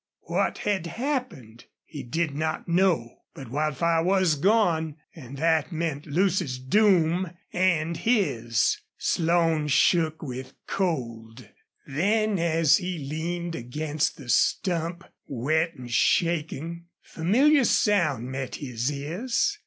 What had happened? He did not know. But Wildfire was gone and that meant Lucy's doom and his! Slone shook with cold. Then, as he leaned against the stump, wet and shaking, familiar sound met his ears.